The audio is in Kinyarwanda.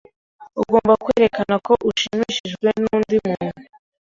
Ugomba kwerekana ko ushimishijwe nundi muntu.